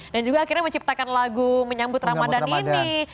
dan juga akhirnya menciptakan lagu menyambut ramadhan ini